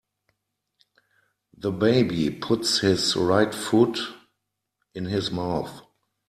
The baby puts his right foot in his mouth.